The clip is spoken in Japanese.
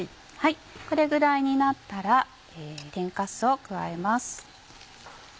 これぐらいになったら天かすを加えます。